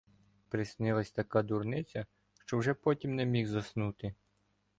Приснилася така дурниця, що вже потім не міг заснути.